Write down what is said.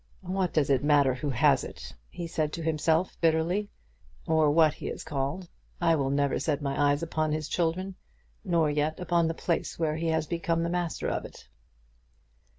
"What does it matter who has it," he said to himself bitterly, "or what he is called? I will never set my eyes upon his children, nor yet upon the place when he has become the master of it."